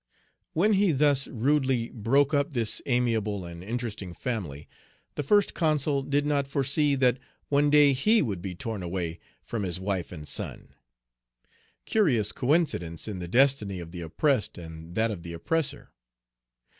When he thus rudely broke up this amiable and interesting family, the First Consul did not foresee that one day he would be torn away from his wife and son. Curious coincidence in the destiny of the oppressed and that of the oppressor!